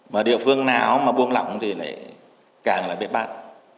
mà địa phương nào mà buông lỏng thì lại càng là biến bát